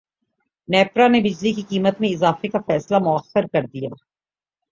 نیپرا نے بجلی کی قیمت میں اضافے کا فیصلہ موخر کردیا